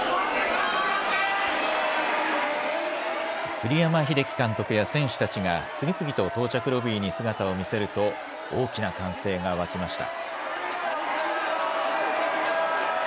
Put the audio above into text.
栗山英樹監督や選手たちが、次々と到着ロビーに姿を見せると、大きな歓声が沸きました。